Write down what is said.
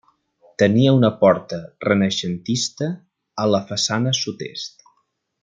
Tenia una porta renaixentista a la façana sud-est.